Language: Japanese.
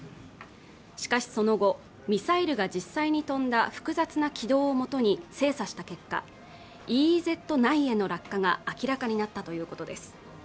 しかしその後ミサイルが実際に飛んだ複雑な軌道を元に精査した結果ＥＥＺ内への落下が明らかになったということです